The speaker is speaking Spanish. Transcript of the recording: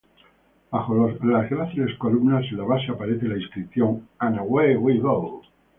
Bajo las gráciles columnas, en la base, aparece la inscripción "And Away We Go".